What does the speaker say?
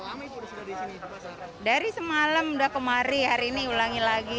berapa lama itu sudah di sini dari semalam sudah kemari hari ini ulang lagi